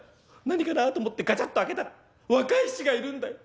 何かなと思ってガチャっと開けたら若い衆がいるんだよ。